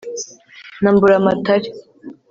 na mburamatare,